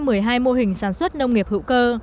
một mươi hai mô hình sản xuất nông nghiệp hữu cơ